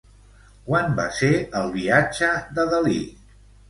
Quan va ser el viatge de Dalí?